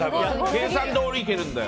計算どおりいけるんだよ。